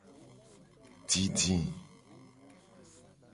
Didi.